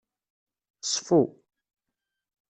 Ṣfu.